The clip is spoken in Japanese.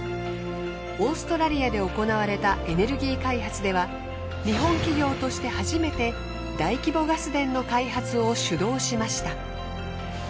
オーストラリアで行われたエネルギー開発では日本企業として初めて大規模ガス田の開発を主導しました。